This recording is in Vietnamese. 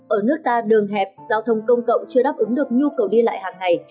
ở nước ta đường hẹp giao thông công cộng chưa đáp ứng được nhu cầu đi lại hàng ngày